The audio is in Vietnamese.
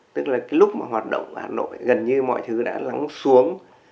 tức là cái lúc mà hoạt động ở hà nội gần như mọi thứ đã lắng xuống